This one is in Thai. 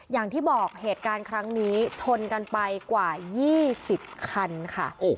อย่างที่บอกเหตุการณ์ครั้งนี้ชนกันไปกว่า๒๐คันค่ะ